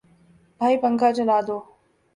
بھائی پنکھا چلا دو